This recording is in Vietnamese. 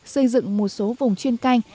xây dựng một số vùng chuyên canh